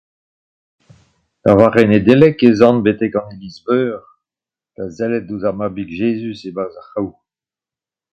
Da vare Nedeleg ez an betek an iliz-veur da sellet ouzh ar mabig Jezuz e-barzh ar c'hraou.